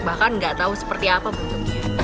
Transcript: bahkan nggak tahu seperti apa bentuknya